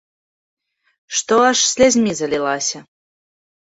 Што аж слязьмі залілася.